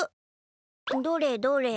どれどれ？